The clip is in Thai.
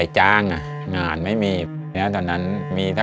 ทาราบังชุดรับแขกเนี่ยออกวางแผงในปีภศ๒๕๔๖ค่ะ